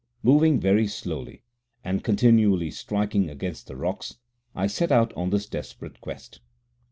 Moving very slowly, and continually striking against the rocks, I set out on this desperate quest.